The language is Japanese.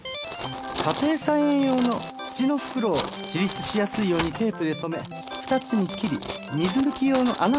家庭菜園用の土の袋を自立しやすいようにテープで留め２つに切り水抜き用の穴を開けます。